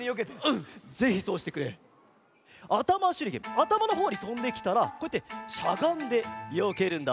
あたまのほうにとんできたらこうやってしゃがんでよけるんだ。